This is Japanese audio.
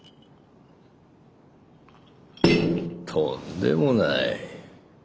とんでもない。